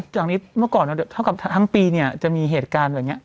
แต่ทั้งปีจะมีเหตุการณ์อย่างเนี้ย